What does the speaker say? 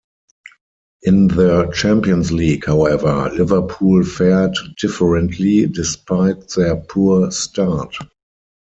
In the Champions League, however, Liverpool fared differently, despite their poor start.